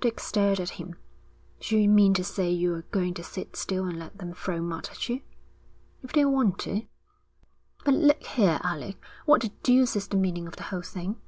Dick stared at him. 'Do you mean to say you're going to sit still and let them throw mud at you?' 'If they want to.' 'But look here, Alec, what the deuce is the meaning of the whole thing?'